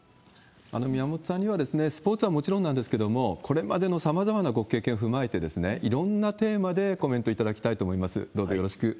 宮本さんには、スポーツはもちろんなんですけれども、これまでのさまざまなご経験を踏まえて、いろんなテーマでコメントいただきたいと思います。